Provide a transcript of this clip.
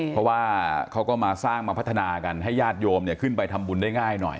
เพราะว่าเขาก็มาสร้างมาพัฒนากันให้ญาติโยมขึ้นไปทำบุญได้ง่ายหน่อย